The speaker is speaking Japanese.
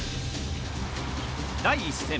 第１戦。